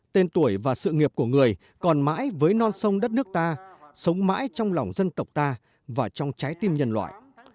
tên tuổi và sự nghiệp của người còn mãi với non sông đất nước ta sống mãi trong lòng dân tộc ta và trong trái tim nhân loại